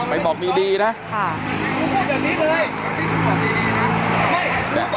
ไปบอกดีน่ะ